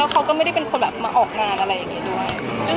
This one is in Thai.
แล้วเค้าก็ไม่ได้เป็นคนมาออกงานอะไรอย่างงี้ด้วย